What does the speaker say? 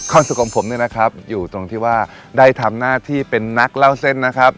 สุขของผมเนี่ยนะครับอยู่ตรงที่ว่าได้ทำหน้าที่เป็นนักเล่าเส้นนะครับ